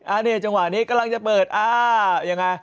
อันนี้จังหวะนี้กำลังจะเปิดอ่ายังไง